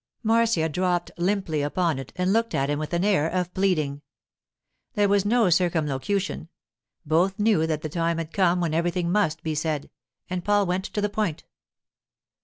Marcia dropped limply upon it and looked at him with an air of pleading. There was no circumlocution; both knew that the time had come when everything must be said, and Paul went to the point.